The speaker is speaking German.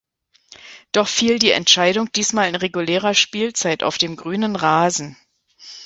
Doch fiel die Entscheidung diesmal in regulärer Spielzeit auf dem grünen Rasen.